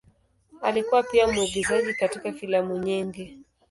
Alikuwa pia mwigizaji katika filamu nyingi.